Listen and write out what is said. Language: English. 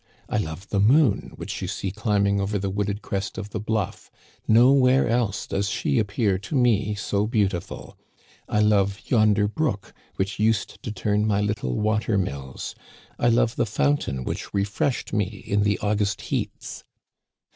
I love the moon which you see climbing over the wooded crest of the bluff; no where else does she appear to me so beautiful. I love yonder brook which used to turn my little water mills. I love the fountain which refreshed me in the August heats.